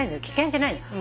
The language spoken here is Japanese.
危険じゃないの。